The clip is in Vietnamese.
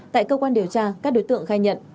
tại cơ quan điều tra các đối tượng khai nhận